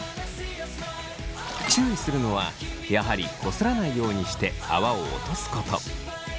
注意するのはやはりこすらないようにして泡を落とすこと。